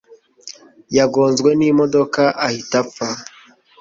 Yagonzwe n’imodoka ahita apfa.